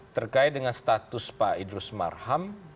terkait dengan status pak idrus marham